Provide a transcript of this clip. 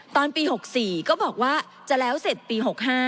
ตอนปี๖๔ก็บอกว่าจะแล้วเสร็จปี๖๕